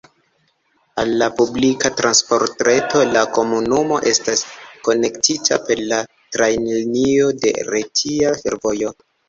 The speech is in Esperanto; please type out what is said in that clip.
Al la publika transportreto la komunumo estas konektita per la trajnlinio de Retia Fervojo.